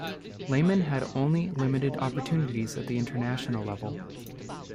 Lehmann had only limited opportunities at the international level.